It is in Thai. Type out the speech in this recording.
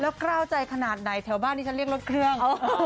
กล้าวใจขนาดไหนแถวบ้านที่ฉันเรียกรถเครื่อง